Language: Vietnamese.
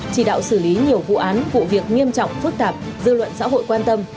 chỉ đạo xử lý nhiều vụ án vụ việc nghiêm trọng phức tạp dư luận xã hội quan tâm